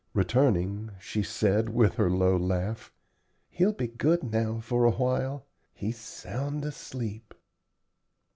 Returning she said, with her low laugh, "He'll be good now for a while; he's sound asleep."